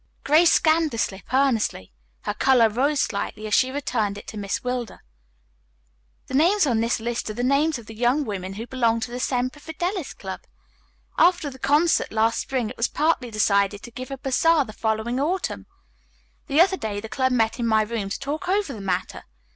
Grace scanned the slip earnestly. Her color rose slightly as she returned it to Miss Wilder. "The names on this list are the names of the young women who belong to the Semper Fidelis Club. After the concert last spring it was partly decided to give a bazaar the following autumn. The other day the club met in my room to talk over the matter.